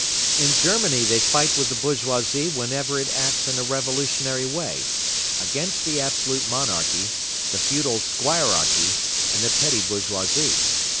In Germany they fight with the bourgeoisie whenever it acts in a revolutionary way, against the absolute monarchy, the feudal squirearchy, and the petty bourgeoisie.